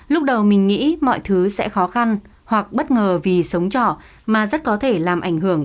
lúc đầu mình nghĩ mọi thứ sẽ khó khăn hoặc bất ngờ vì sống trỏ mà rất có thể làm ảnh hưởng